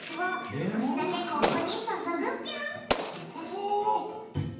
すっぱそう！